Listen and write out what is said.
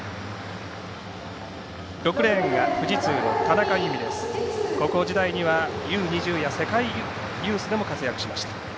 ６レーンの田中佑美は高校時代にはＵ２０や世界ユースでも活躍しました。